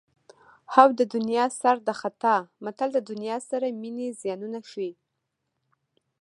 حب د دنیا سر د خطا متل د دنیا سره مینې زیانونه ښيي